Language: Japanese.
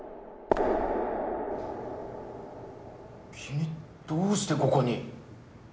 君どうしてここに？